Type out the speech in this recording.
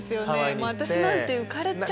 もう私なんて浮かれちゃう。